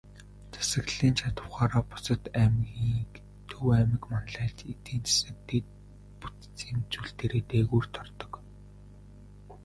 Засаглалын чадавхаараа бусад аймгийг Төв аймаг манлайлж, эдийн засаг, дэд бүтцийн үзүүлэлтээрээ дээгүүрт ордог.